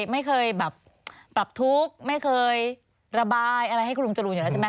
ไม่เคยแบบปรับทุกข์ไม่เคยระบายอะไรให้คุณลุงจรูนอยู่แล้วใช่ไหม